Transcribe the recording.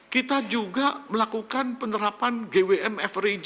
kita juga melakukan penerapan gwm average